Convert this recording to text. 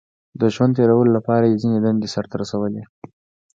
• د ژوند تېرولو لپاره یې ځینې دندې سر ته رسولې.